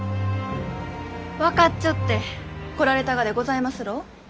分かっちょって来られたがでございますろう？